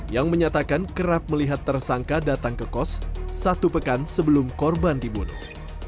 yang menyatakan kerap melihat tersangka datang ke kos satu pekan sebelum korban dibunuh